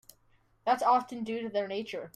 That's often due to their nature.